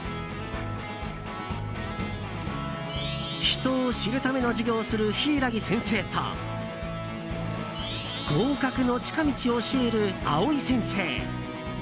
人を知るための授業をする柊木先生と合格の近道を教える藍井先生。